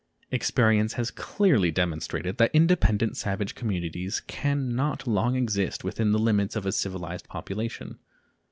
Experience has clearly demonstrated that independent savage communities can not long exist within the limits of a civilized population.